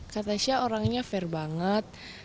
kak tasya orangnya fair banget